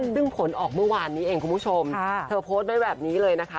ซึ่งผลออกเมื่อวานนี้เองคุณผู้ชมเธอโพสต์ไว้แบบนี้เลยนะคะ